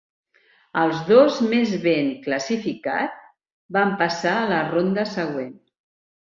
El dos més ben classificat van passar a la ronda següent.